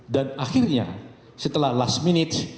dan akhirnya setelah last minute